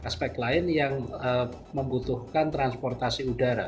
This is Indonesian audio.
aspek lain yang membutuhkan transportasi udara